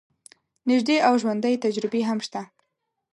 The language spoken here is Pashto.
نژدې او ژوندۍ تجربې هم شته.